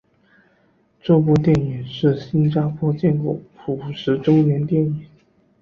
这部电影是新加坡建国五十周年电影。